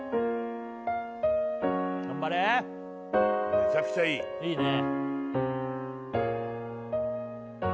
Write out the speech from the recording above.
頑張れめちゃくちゃいいいいねえ